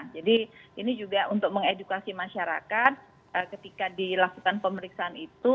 jadi ini juga untuk mengedukasi masyarakat ketika dilakukan pemeriksaan itu